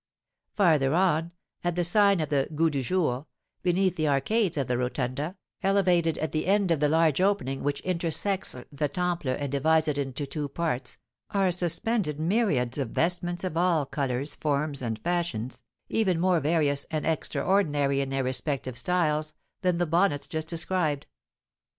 Farther on, at the sign of the Goût du Jour, beneath the arcades of the Rotunda, elevated at the end of the large opening which intersects the Temple and divides it into two parts, are suspended myriads of vestments of all colours, forms, and fashions, even more various and extraordinary in their respective styles than the bonnets just described.